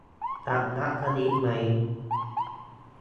จะรับสลิปไหม